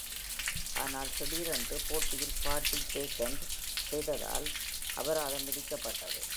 ஆனால் திடீரென்று போட்டியில், பாட்டீ, பேக்ஹேண்ட் செய்ததால் அபராதம் விதிக்கப்பட்டது.